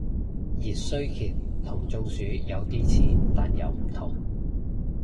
熱衰竭同中暑有啲似但又唔同